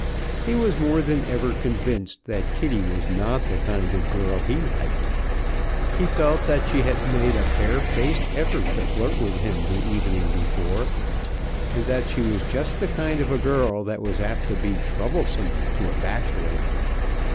He was more than ever convinced that Kitty was not the kind of girl he liked. He felt that she had made a bare faced effort to flirt with him the evening before, and that she was just the kind of a girl that was apt to be troublesome to a bachelor.